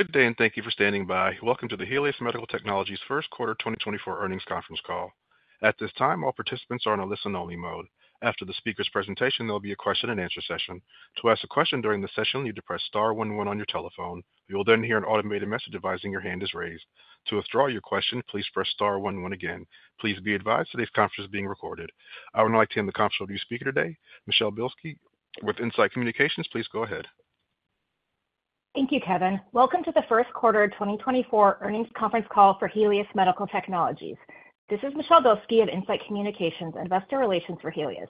Good day and thank you for standing by. Welcome to the Helius Medical Technologies Q1 2024 earnings conference call. At this time, all participants are in a listen-only mode. After the speaker's presentation, there'll be a question-and-answer session. To ask a question during the session, you'd depress star one one on your telephone. You'll then hear an automated message advising your hand is raised. To withdraw your question, please press star one one again. Please be advised today's conference is being recorded. I would now like to hand the conference over to your speaker today, Michelle Bilski with In-Site Communications. Please go ahead. Thank you, Kevin. Welcome to the Q1 2024 earnings conference call for Helius Medical Technologies. This is Michelle Bilski of In-Site Communications, Investor Relations for Helius.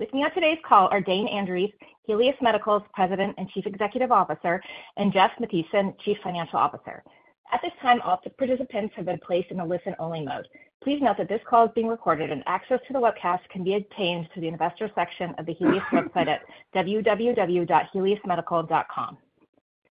With me on today's call are Dane Andreeff, Helius Medical's President and Chief Executive Officer, and Jeff Mathiesen, Chief Financial Officer. At this time, all participants have been placed in a listen-only mode. Please note that this call is being recorded and access to the webcast can be obtained through the investor section of the Helius website at www.heliusmedical.com.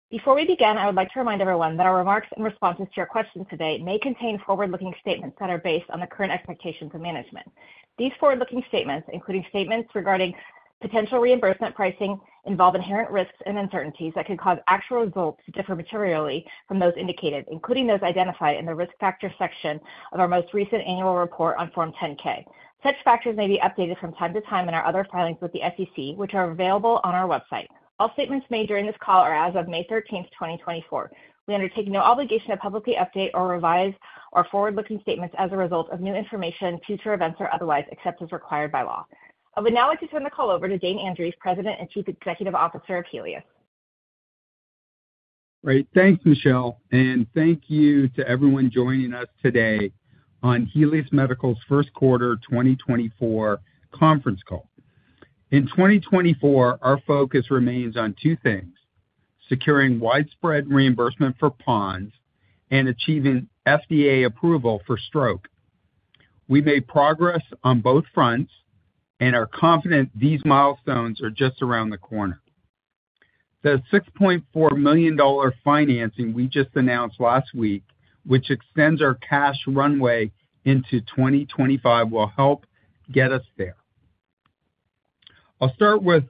Before we begin, I would like to remind everyone that our remarks and responses to your questions today may contain forward-looking statements that are based on the current expectations of management. These forward-looking statements, including statements regarding potential reimbursement pricing, involve inherent risks and uncertainties that could cause actual results to differ materially from those indicated, including those identified in the risk factor section of our most recent annual report on Form 10-K. Such factors may be updated from time to time in our other filings with the SEC, which are available on our website. All statements made during this call are as of May 13, 2024. We undertake no obligation to publicly update or revise our forward-looking statements as a result of new information, future events, or otherwise except as required by law. I would now like to turn the call over to Dane Andreeff, President and Chief Executive Officer of Helius. Great. Thanks, Michelle. Thank you to everyone joining us today on Helius Medical's Q1 2024 conference call. In 2024, our focus remains on two things: securing widespread reimbursement for PoNS and achieving FDA approval for stroke. We made progress on both fronts and are confident these milestones are just around the corner. The $6.4 million financing we just announced last week, which extends our cash runway into 2025, will help get us there. I'll start with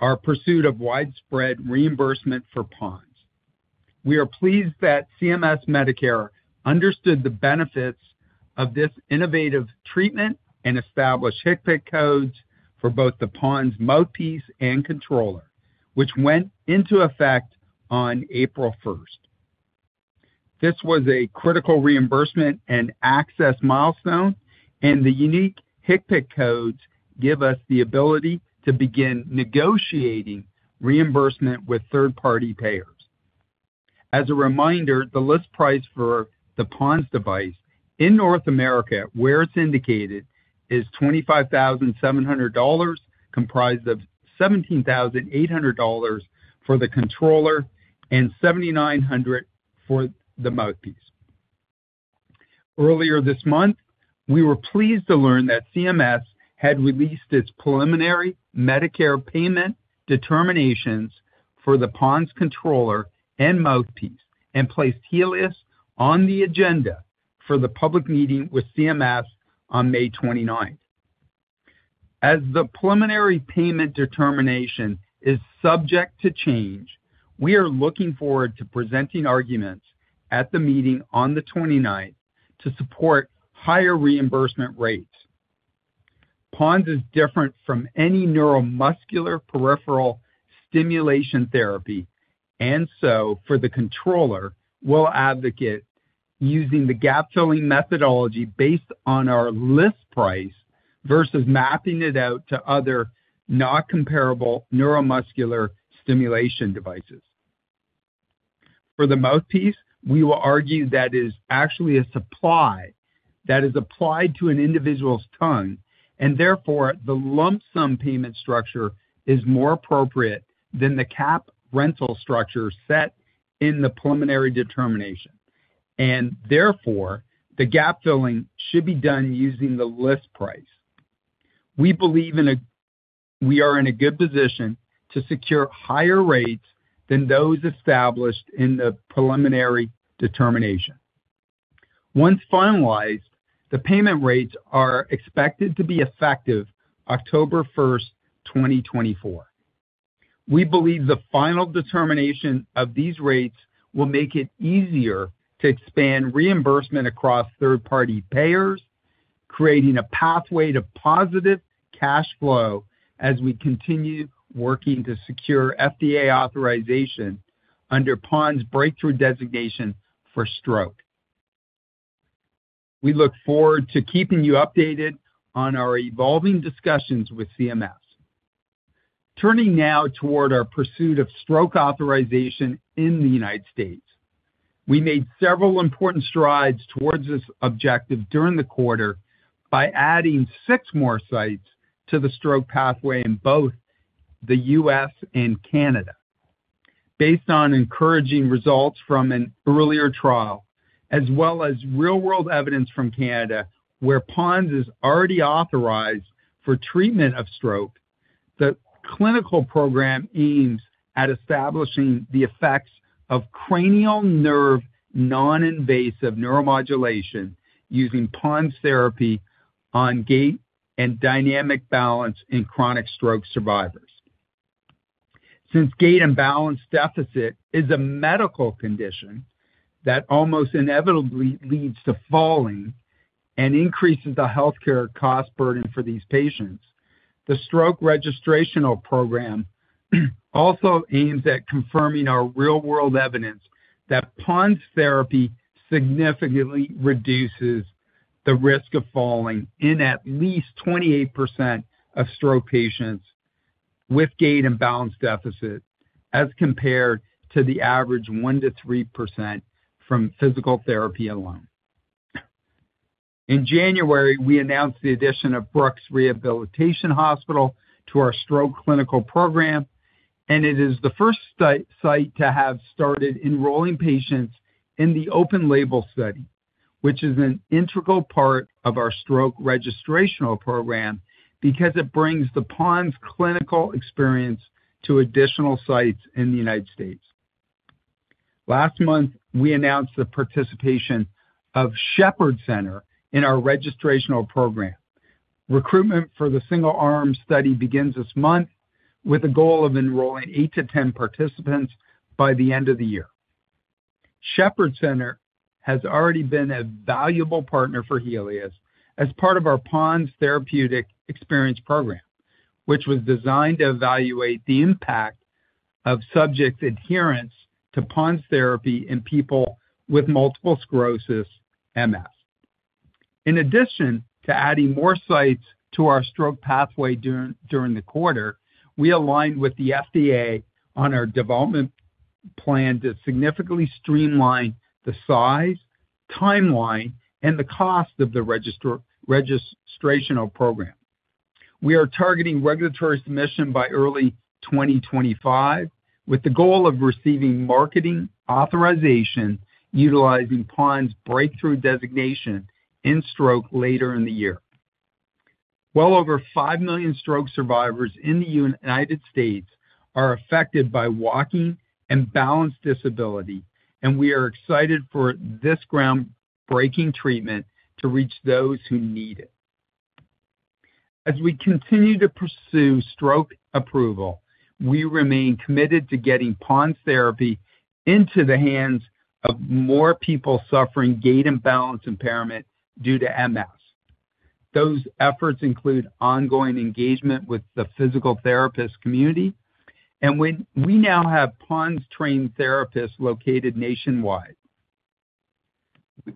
our pursuit of widespread reimbursement for PoNS. We are pleased that CMS Medicare understood the benefits of this innovative treatment and established HCPCS codes for both the PoNS mouthpiece and controller, which went into effect on April 1st. This was a critical reimbursement and access milestone, and the unique HCPCS codes give us the ability to begin negotiating reimbursement with third-party payers. As a reminder, the list price for the PoNS device in North America, where it's indicated, is $25,700, comprised of $17,800 for the controller and $7,900 for the mouthpiece. Earlier this month, we were pleased to learn that CMS had released its preliminary Medicare payment determinations for the PoNS controller and mouthpiece and placed Helius on the agenda for the public meeting with CMS on May 29th. As the preliminary payment determination is subject to change, we are looking forward to presenting arguments at the meeting on the 29th to support higher reimbursement rates. PoNS is different from any neuromuscular peripheral stimulation therapy, and so for the controller, we'll advocate using the gap-filling methodology based on our list price versus mapping it out to other not-comparable neuromuscular stimulation devices. For the mouthpiece, we will argue that it is actually a supply that is applied to an individual's tongue, and therefore the lump sum payment structure is more appropriate than the cap rental structure set in the preliminary determination, and therefore the gap-filling should be done using the list price. We believe we are in a good position to secure higher rates than those established in the preliminary determination. Once finalized, the payment rates are expected to be effective October 1, 2024. We believe the final determination of these rates will make it easier to expand reimbursement across third-party payers, creating a pathway to positive cash flow as we continue working to secure FDA authorization under PoNS Breakthrough Designation for stroke. We look forward to keeping you updated on our evolving discussions with CMS. Turning now toward our pursuit of stroke authorization in the United States, we made several important strides toward this objective during the quarter by adding six more sites to the stroke pathway in both the U.S. and Canada. Based on encouraging results from an earlier trial, as well as real-world evidence from Canada where PoNS is already authorized for treatment of stroke, the clinical program aims at establishing the effects of cranial nerve non-invasive neuromodulation using PoNS Therapy on gait and dynamic balance in chronic stroke survivors. Since gait imbalance deficit is a medical condition that almost inevitably leads to falling and increases the healthcare cost burden for these patients, the stroke registrational program also aims at confirming our real-world evidence that PoNS Therapy significantly reduces the risk of falling in at least 28% of stroke patients with gait imbalance deficit as compared to the average 1%-3% from physical therapy alone. In January, we announced the addition of Brooks Rehabilitation Hospital to our stroke clinical program, and it is the first site to have started enrolling patients in the open-label study, which is an integral part of our stroke registrational program because it brings the PoNS clinical experience to additional sites in the United States. Last month, we announced the participation of Shepherd Center in our registrational program. Recruitment for the single-arm study begins this month with a goal of enrolling 8-10 participants by the end of the year. Shepherd Center has already been a valuable partner for Helius as part of our PoNS Therapeutic Experience Program, which was designed to evaluate the impact of subjects' adherence to PoNS Therapy in people with multiple sclerosis, MS. In addition to adding more sites to our stroke pathway during the quarter, we aligned with the FDA on our development plan to significantly streamline the size, timeline, and the cost of the registrational program. We are targeting regulatory submission by early 2025 with the goal of receiving marketing authorization utilizing PoNS Breakthrough Designation in stroke later in the year. Well over 5 million stroke survivors in the United States are affected by walking and balance disability, and we are excited for this groundbreaking treatment to reach those who need it. As we continue to pursue stroke approval, we remain committed to getting PoNS Therapy into the hands of more people suffering gait imbalance impairment due to MS. Those efforts include ongoing engagement with the physical therapist community, and we now have PoNS-trained therapists located nationwide.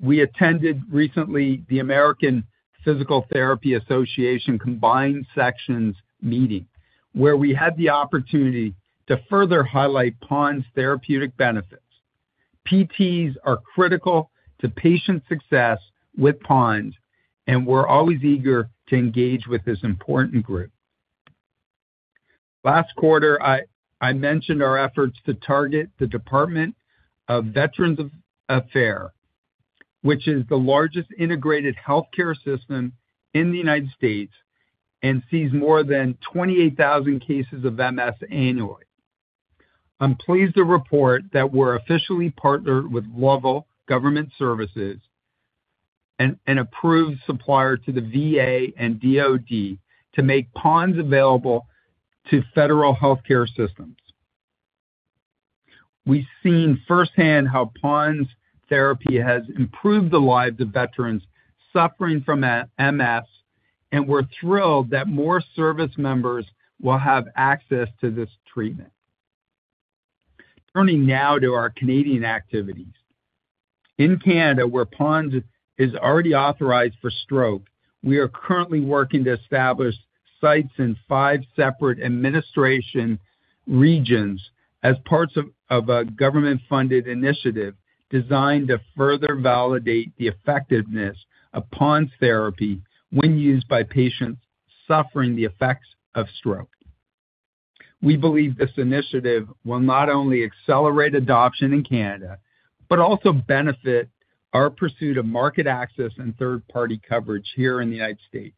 We attended recently the American Physical Therapy Association combined sections meeting where we had the opportunity to further highlight PoNS therapeutic benefits. PTs are critical to patient success with PoNS, and we're always eager to engage with this important group. Last quarter, I mentioned our efforts to target the Department of Veterans Affairs, which is the largest integrated healthcare system in the United States and sees more than 28,000 cases of MS annually. I'm pleased to report that we're officially partnered with Lovell Government Services, an approved supplier to the VA and DoD, to make PoNS available to federal healthcare systems. We've seen firsthand how PoNS Therapy has improved the lives of veterans suffering from MS, and we're thrilled that more service members will have access to this treatment. Turning now to our Canadian activities. In Canada, where PoNS is already authorized for stroke, we are currently working to establish sites in five separate administration regions as parts of a government-funded initiative designed to further validate the effectiveness of PoNS Therapy when used by patients suffering the effects of stroke. We believe this initiative will not only accelerate adoption in Canada but also benefit our pursuit of market access and third-party coverage here in the United States.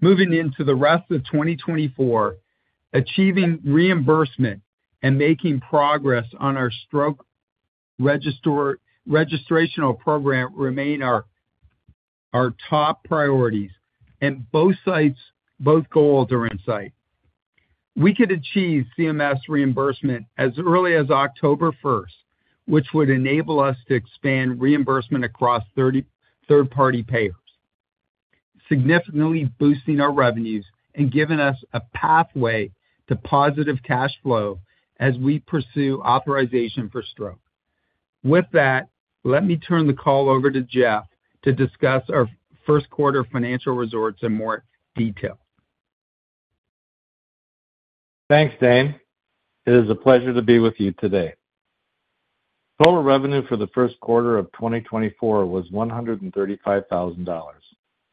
Moving into the rest of 2024, achieving reimbursement and making progress on our stroke registrational program remain our top priorities, and both goals are in sight. We could achieve CMS reimbursement as early as October 1st, which would enable us to expand reimbursement across third-party payers, significantly boosting our revenues and giving us a pathway to positive cash flow as we pursue authorization for stroke. With that, let me turn the call over to Jeff to discuss our Q1 financial results in more detail. Thanks, Dane. It is a pleasure to be with you today. Total revenue for the Q1 of 2024 was $135,000,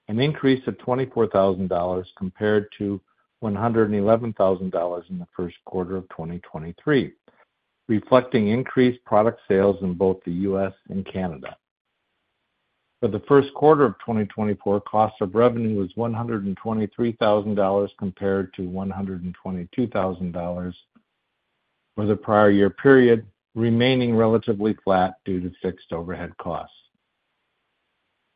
an increase of $24,000 compared to $111,000 in the Q1 of 2023, reflecting increased product sales in both the U.S. and Canada. For the Q1 of 2024, cost of revenue was $123,000 compared to $122,000 for the prior year period, remaining relatively flat due to fixed overhead costs.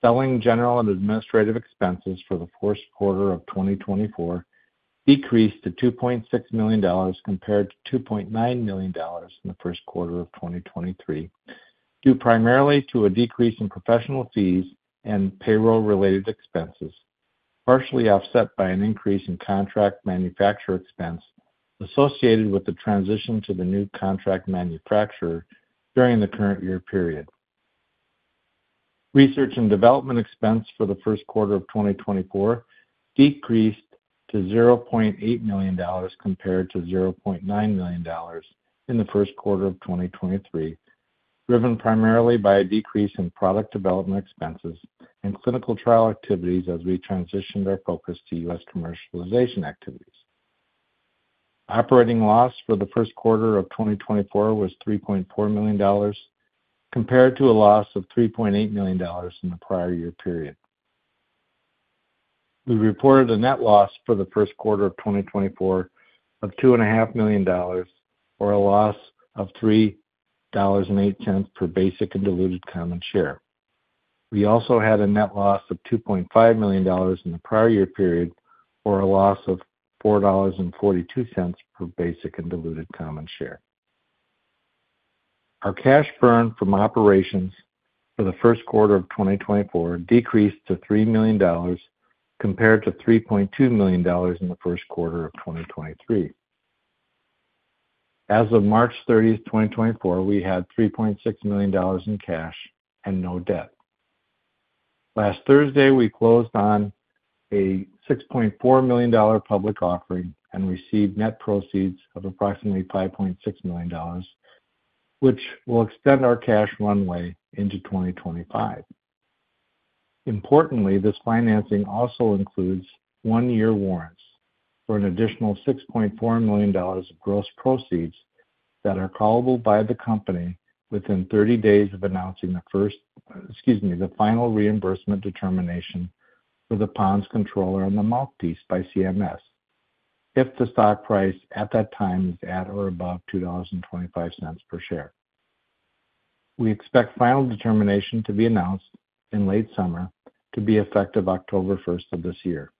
Selling, general, and administrative expenses for the Q4 of 2024 decreased to $2.6 million compared to $2.9 million in the Q1 of 2023 due primarily to a decrease in professional fees and payroll-related expenses, partially offset by an increase in contract manufacturer expense associated with the transition to the new contract manufacturer during the current year period. Research and development expense for the Q1 of 2024 decreased to $0.8 million compared to $0.9 million in the Q1 of 2023, driven primarily by a decrease in product development expenses and clinical trial activities as we transitioned our focus to U.S. commercialization activities. Operating loss for the Q1 of 2024 was $3.4 million compared to a loss of $3.8 million in the prior year period. We reported a net loss for the Q1 of 2024 of $2.5 million or a loss of $3.08 per basic and diluted common share. We also had a net loss of $2.5 million in the prior year period or a loss of $4.42 per basic and diluted common share. Our cash burn from operations for the Q1 of 2024 decreased to $3 million compared to $3.2 million in the Q1 of 2023. As of March 30, 2024, we had $3.6 million in cash and no debt. Last Thursday, we closed on a $6.4 million public offering and received net proceeds of approximately $5.6 million, which will extend our cash runway into 2025. Importantly, this financing also includes one-year warrants for an additional $6.4 million of gross proceeds that are callable by the company within 30 days of announcing the final reimbursement determination for the PoNS controller and the mouthpiece by CMS if the stock price at that time is at or above $2.25 per share. We expect final determination to be announced in late summer to be effective October 1st of this year.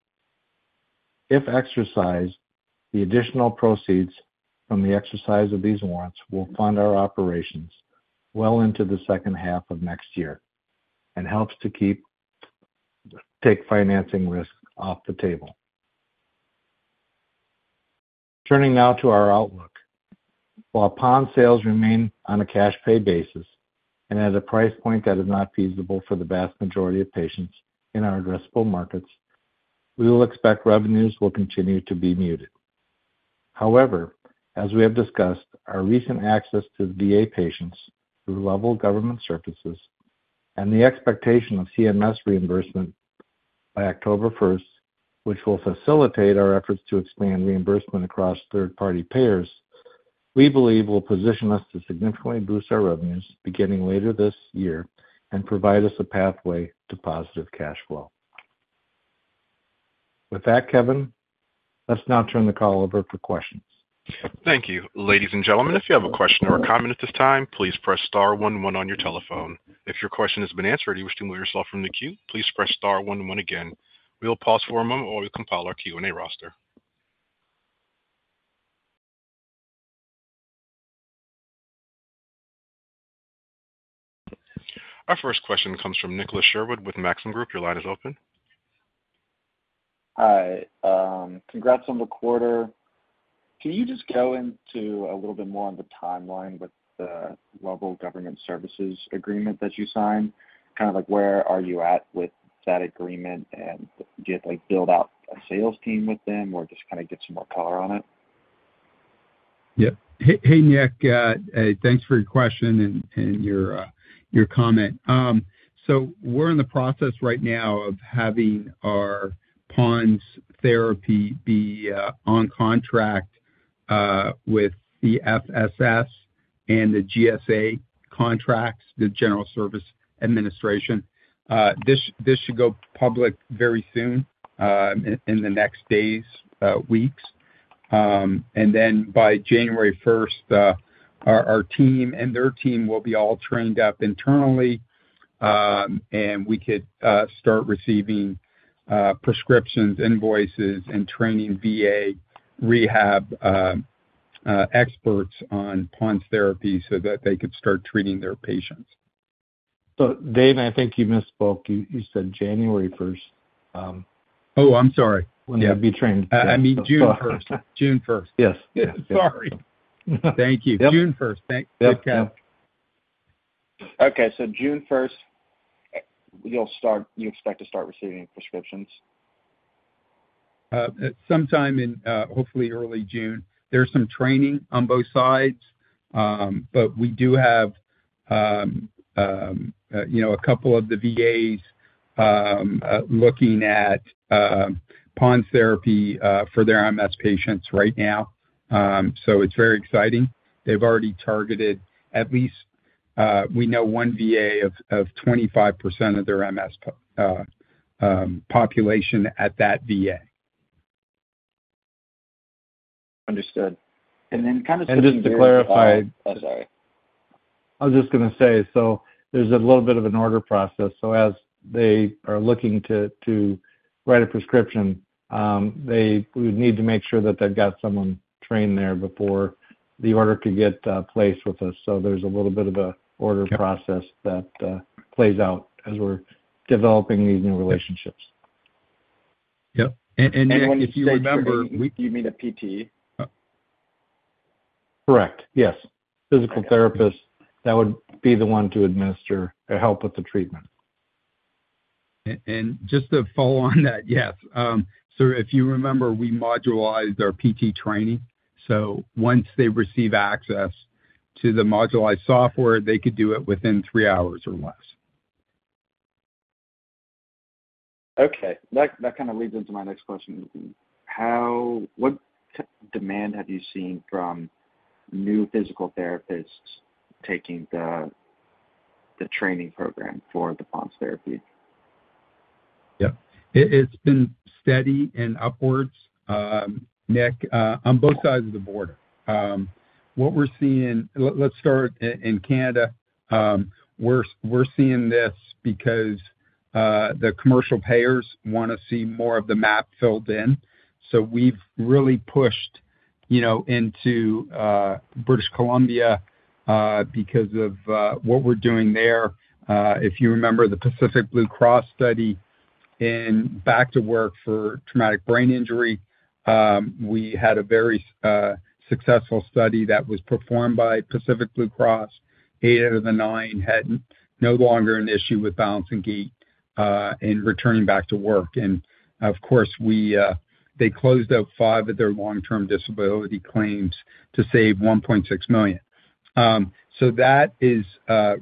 If exercised, the additional proceeds from the exercise of these warrants will fund our operations well into the second half of next year and helps to take financing risk off the table. Turning now to our. [inaudible] While PoNS sales remain on a cash pay basis and at a price point that is not feasible for the vast majority of patients in our addressable markets, we will expect revenues will continue to be muted. However, as we have discussed, our recent access to the VA patients through Lovell Government Services and the expectation of CMS reimbursement by October 1st, which will facilitate our efforts to expand reimbursement across third-party payers, we believe will position us to significantly boost our revenues beginning later this year and provide us a pathway to positive cash flow. With that, Kevin, let's now turn the call over for questions. Thank you. Ladies and gentlemen, if you have a question or a comment at this time, please press star 11 on your telephone. If your question has been answered or you wish to move yourself from the queue, please press star 11 again. We will pause for a moment while we compile our Q&A roster. Our first question comes from Nicholas Sherwood with Maxim Group. Your line is open. Hi. Congrats on the quarter. Can you just go into a little bit more on the timeline with the Lovell Government Services agreement that you signed? Kind of where are you at with that agreement, and do you have to build out a sales team with them or just kind of get some more color on it? Yeah. Hey, Nic. Thanks for your question and your comment. So we're in the process right now of having our PoNS Therapy be on contract with the FSS and the GSA contracts, the General Services Administration. This should go public very soon in the next days, weeks. And then by January 1st, our team and their team will be all trained up internally, and we could start receiving prescriptions, invoices, and training VA rehab experts on PoNS Therapy so that they could start treating their patients. Dane, and I think you misspoke. You said January 1st. Oh, I'm sorry. When they would be trained. I mean, June 1st. June 1st. Yes. Yes. Sorry. Thank you. June 1st. Thanks, Kevin. Yep. Yep. Okay. So June 1st, you expect to start receiving prescriptions? Sometime in, hopefully, early June. There's some training on both sides, but we do have a couple of the VAs looking at PoNS Therapy for their MS patients right now. So it's very exciting. They've already targeted at least we know one VA of 25% of their MS population at that VA. Understood. And then kind of switching to. Just to clarify. I'm sorry. I was just going to say, so there's a little bit of an order process. So as they are looking to write a prescription, we would need to make sure that they've got someone trained there before the order could get placed with us. So there's a little bit of an order process that plays out as we're developing these new relationships. Yep. And Nic, if you remember, we. When you say physical therapy, do you mean a PT? Correct. Yes. Physical Therapist, that would be the one to administer or help with the treatment. Just to follow on that, yes. If you remember, we modularized our PT training. Once they receive access to the modularized software, they could do it within three hours or less. Okay. That kind of leads into my next question. What demand have you seen from new physical therapists taking the training program for the PoNS Therapy? Yep. It's been steady and upwards, Nic, on both sides of the border. What we're seeing, let's start in Canada. We're seeing this because the commercial payers want to see more of the map filled in. So we've really pushed into British Columbia because of what we're doing there. If you remember the Pacific Blue Cross study in Back to Work for traumatic brain injury, we had a very successful study that was performed by Pacific Blue Cross. Eight out of the nine had no longer an issue with balance and gait in returning back to work. And of course, they closed out five of their long-term disability claims to save 1.6 million. So that is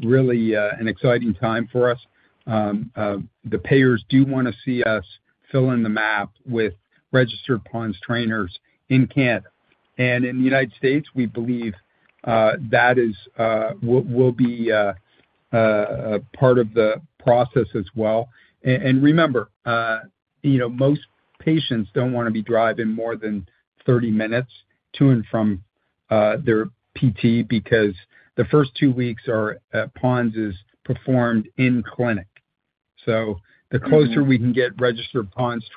really an exciting time for us. The payers do want to see us fill in the map with Registered PoNS Trainers in Canada. And in the United States, we believe that will be part of the process as well. And remember, most patients don't want to be driving more than 30 minutes to and from their PT because the first two weeks PoNS is performed in clinic. So the closer we can get Registered PoNS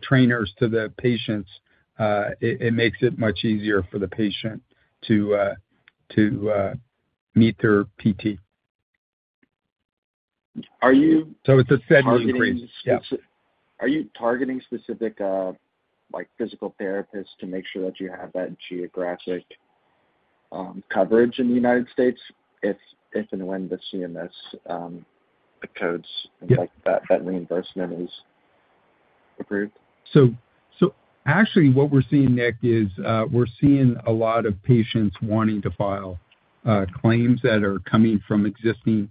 Trainers to the patients, it makes it much easier for the patient to meet their PT. Are you. It's a steady increase. Are you targeting specific physical therapists to make sure that you have that geographic coverage in the United States if and when the CMS codes and that reimbursement is approved? So actually, what we're seeing, Nic, is we're seeing a lot of patients wanting to file claims that are coming from existing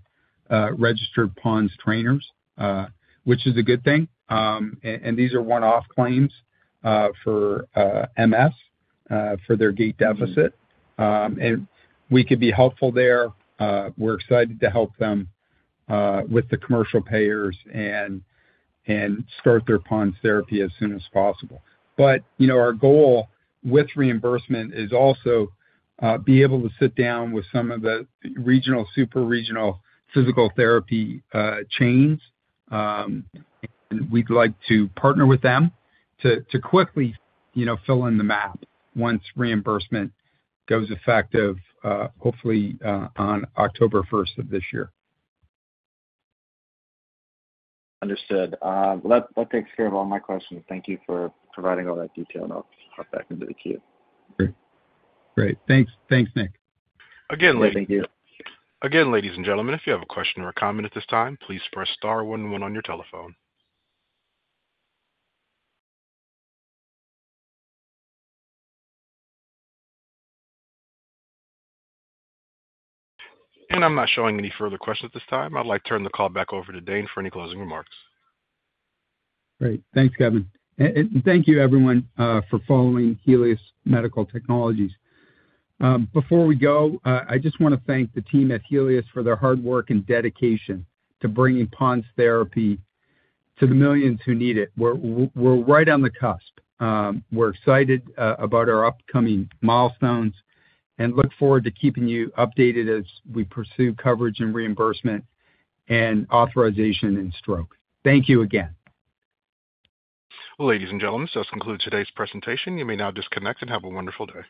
registered PoNS trainers, which is a good thing. And these are one-off claims for MS for their gait deficit. And we could be helpful there. We're excited to help them with the commercial payers and start their PoNS Therapy as soon as possible. But our goal with reimbursement is also be able to sit down with some of the regional, superregional physical therapy chains. And we'd like to partner with them to quickly fill in the map once reimbursement goes effective, hopefully, on October 1st of this year. Understood. Well, that takes care of all my questions. Thank you for providing all that detail. I'll hop back into the queue. Great. Great. Thanks. Thanks, Nic. Again, ladies. Thank you. Again, ladies and gentlemen, if you have a question or a comment at this time, please press star 11 on your telephone. I'm not showing any further questions at this time. I'd like to turn the call back over to Dane for any closing remarks. Great. Thanks, Kevin. And thank you, everyone, for following Helius Medical Technologies. Before we go, I just want to thank the team at Helius for their hard work and dedication to bringing PoNS Therapy to the millions who need it. We're right on the cusp. We're excited about our upcoming milestones and look forward to keeping you updated as we pursue coverage and reimbursement and authorization and stroke. Thank you again. Well, ladies and gentlemen, this concludes today's presentation. You may now disconnect and have a wonderful day.